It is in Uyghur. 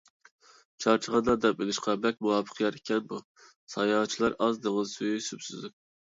چارچىغاندا دەم ئېلىشقا بەك مۇۋاپىق يەر ئىكەن بۇ. ساياھەتچىلەر ئاز، دېڭىز سۈيى سۈپسۈزۈك.